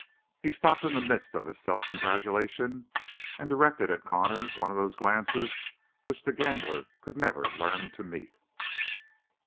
He stopped in the midst of his self congratulation and directed at Connor one of those glances which the gambler could never learn to meet.